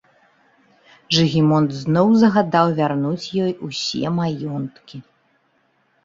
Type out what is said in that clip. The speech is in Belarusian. Жыгімонт зноў загадаў вярнуць ёй усе маёнткі.